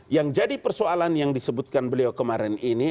yang jadi persoalan yang disebutkan beliau kemarin ini